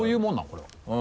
これは。